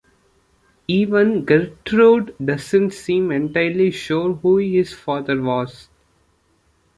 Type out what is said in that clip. Even Gertrude doesn't seem entirely sure who his father was.